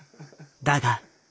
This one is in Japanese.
だが。